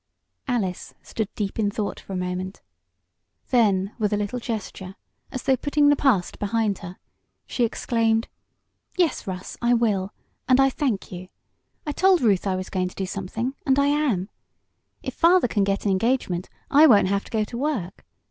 Alice stood in deep thought for a moment. Then with a little gesture, as though putting the past behind her, she exclaimed: "Yes, Russ, I will, and I thank you! I told Ruth I was going to do something, and I am. If father can get an engagement I won't have to go to work.